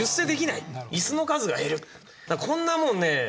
こんなもんね